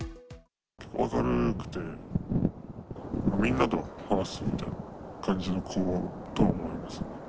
明るくて、みんなと話すみたいな感じの子とは思いますね。